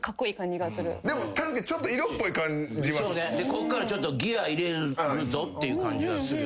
こっからちょっとギア入れるぞっていう感じがするよね。